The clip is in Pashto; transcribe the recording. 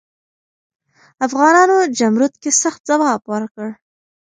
افغانانو جمرود کې سخت ځواب ورکړ.